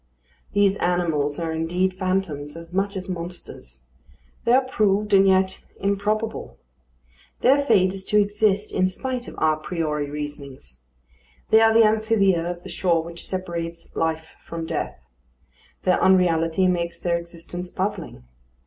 These animals are indeed phantoms as much as monsters. They are proved and yet improbable. Their fate is to exist in spite of à priori reasonings. They are the amphibia of the shore which separates life from death. Their unreality makes their existence puzzling.